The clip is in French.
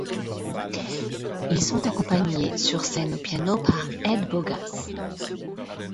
Ils sont accompagnés sur scène au piano par Ed Bogas.